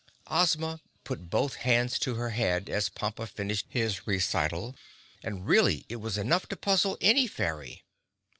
Ozma put both hands to her head as Pompa finished his recital and really it was enough to puzzle any fairy.